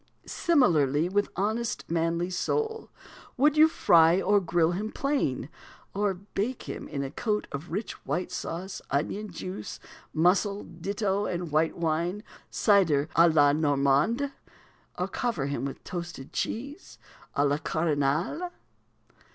Similarly with the honest, manly sole; would you fry or grill him plain, or bake him in a coat of rich white sauce, onion juice, mussel ditto, and white wine, or cider, à la Normande; or cover him with toasted cheese à la Cardinal?